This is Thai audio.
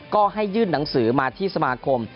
ก็ให้ยื่นหนังสือมาที่สมาคม